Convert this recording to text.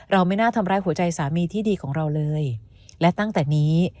ไม่น่าทำร้ายหัวใจสามีที่ดีของเราเลยและตั้งแต่นี้